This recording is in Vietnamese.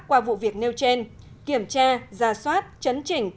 qua vụ việc nêu trên kiểm tra ra soát chấn chỉnh